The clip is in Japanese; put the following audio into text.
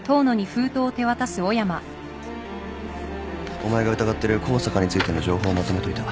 ・お前が疑ってる向坂についての情報まとめといた。